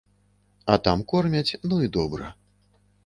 А там кормяць, ну і добра.